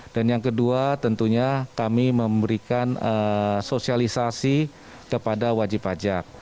dan yang kedua tentunya kami memberikan sosialisasi kepada wajib pajak